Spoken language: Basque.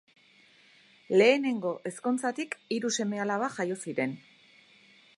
Lehenengo ezkontzatik hiru seme-alaba jaio ziren.